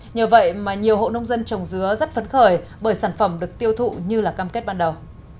nhờ vậy mà nhiều hộ nông dân trồng dứa rất phấn khởi bởi sản phẩm được tiêu thụ như là cam kết ban đầu